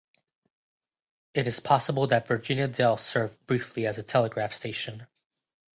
It is possible that Virginia Dale served briefly as a telegraph station.